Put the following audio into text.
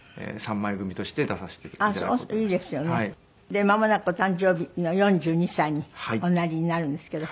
でまもなくお誕生日の４２歳におなりになるんですけど。